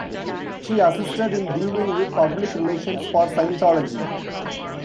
She assisted in dealing with public relations for Scientology.